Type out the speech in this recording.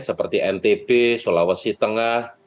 seperti ntb sulawesi tengah